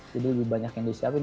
jadi lebih banyak yang disiapin